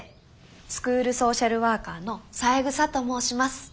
スクールソーシャルワーカーの三枝と申します。